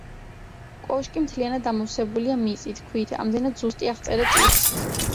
კოშკი მთლიანად ამოვსებულია მიწით და ქვით, ამდენად ზუსტი აღწერა ჭირს.